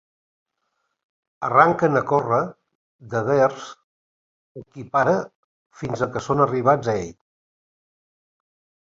Arranquen a córrer devers el qui para fins que són arribats a ell.